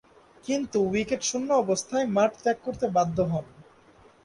কিন্তু, উইকেট শূন্য অবস্থায় মাঠ ত্যাগ করতে বাধ্য হন।